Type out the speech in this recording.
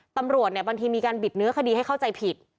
ตำรวจเนี่ยบางทีมีการบิดเนื้อคดีให้เข้าใจผิด